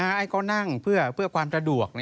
ให้เขานั่งเพื่อความสะดวก